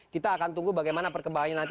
kita akan tunggu bagaimana perkembangannya nanti